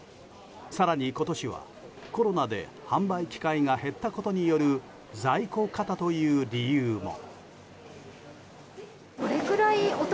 更に今年は、コロナで販売機会が減ったことによる在庫過多という理由も。